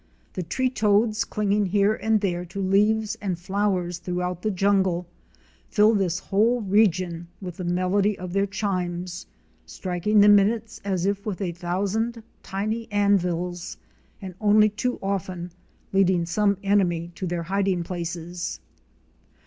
The tree toads clinging here and there to leaves and flowers throughout the jungle fill this whole region with the melody of their chimes; striking the minutes as if with a thousand tiny anvils, and only too often leading some enemy to their hiding places.